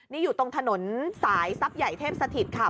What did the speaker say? นี่อยู่ตรงถนนสายทรัพย์ใหญ่เทพสถิตค่ะ